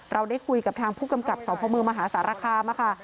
เราได้คุยกับทางผู้กำกับสพมมหาสารคามค่ะ